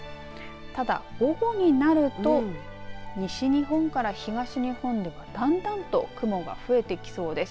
ただ、午後になると西日本から東日本ではだんだんと雲が増えてきそうです。